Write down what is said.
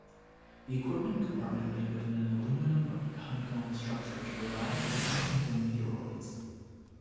The equipment compartment lay within an aluminum honeycomb structure to provide protection from meteoroids.